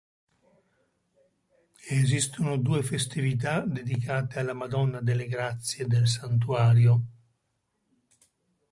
Esistono due festività dedicate alla Madonna delle Grazie del santuario.